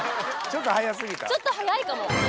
ちょっと早いかも。